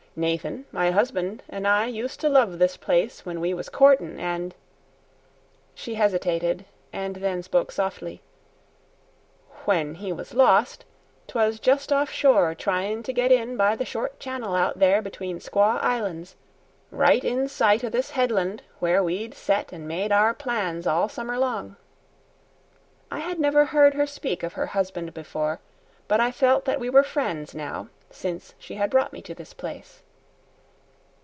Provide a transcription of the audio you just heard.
Nathan, my husband, an' I used to love this place when we was courtin', and" she hesitated, and then spoke softly "when he was lost, 'twas just off shore tryin' to get in by the short channel out there between Squaw Islands, right in sight o' this headland where we'd set an' made our plans all summer long." I had never heard her speak of her husband before, but I felt that we were friends now since she had brought me to this place.